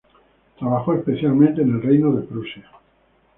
Trabajó especialmente en el reino de Prusia.